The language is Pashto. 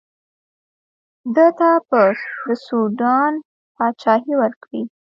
ده ته به د سوډان پاچهي ورکړي.